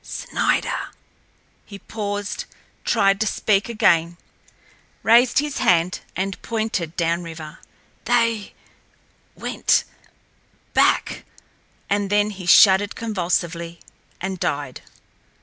"Snider—" He paused, tried to speak again, raised a hand, and pointed down river. "They—went—back," and then he shuddered convulsively and died.